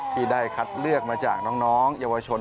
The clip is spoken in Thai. ที่ได้คัดเลือกมาจากน้องเยาวชน